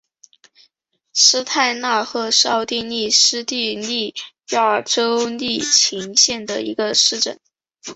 施泰纳赫是奥地利施蒂利亚州利岑县的一个市镇。